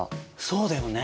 そうだよね。